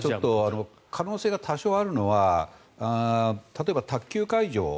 可能性が多少あるのは例えば、卓球会場